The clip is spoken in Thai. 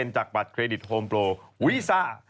จากบัตรเครดิตโฮมโปรวีซ่า